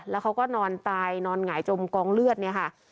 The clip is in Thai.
แล้วเขาก็นอนตายนอนหงายจมกองเลือดเนี่ยค่ะ